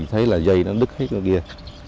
thấy là dây nó đứt hết ở kia